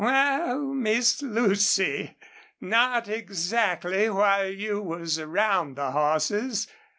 "Wal, Miss Lucy, not exactly while you was around the hosses.